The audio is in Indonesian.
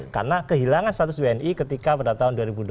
karena kehilangan status uni ketika pada tahun dua ribu dua belas